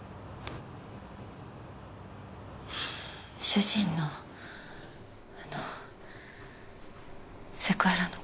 主人のあの。